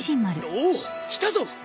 おおっ来たぞ！